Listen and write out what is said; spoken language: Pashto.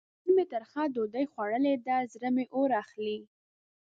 نن مې ترخه ډوډۍ خوړلې ده؛ زړه مې اور اخلي.